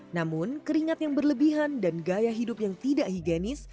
namun keringat yang berlebihan dan gaya hidup yang tidak higienis